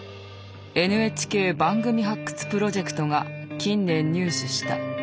ＮＨＫ番組発掘プロジェクトが近年入手した。